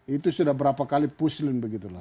itu sudah berapa kali puslin begitulah